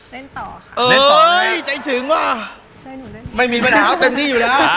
เล่นต่อค่ะเอ้ยใจถึงว่ะไม่มีปัญหาเต็มที่อยู่แล้วนะฮะ